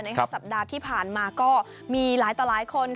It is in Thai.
สัปดาห์ที่ผ่านมาก็มีหลายต่อหลายคน